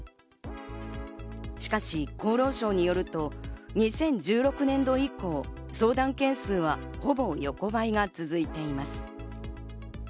しかし厚労省によると、２０１６年度以降、相談件数はほぼ横ばいが続いています。